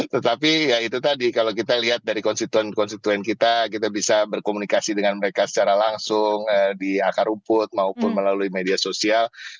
tetapi ya itu tadi kalau kita lihat dari konstituen konstituen kita kita bisa berkomunikasi dengan mereka secara langsung di akar rumput maupun melalui media sosial